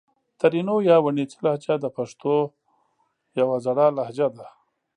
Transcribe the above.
ترینو یا وڼېڅي لهجه د پښتو یو زړه لهجه ده